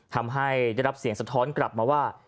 ทำให้ได้รับเสียงสะท้อนกลับมาว่า